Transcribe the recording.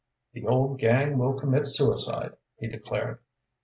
"The old gang will commit suicide," he declared.